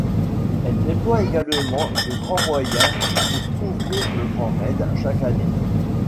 Elle déploie également de grands moyens pour couvrir le Grand Raid chaque année.